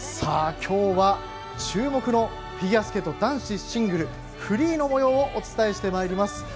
今日は注目のフィギュアスケート男子シングルフリーのもようをお伝えしてまいります。